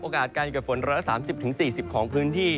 โอกาสการเกิดฝนร้อยละ๓๐๔๐ของพื้นที่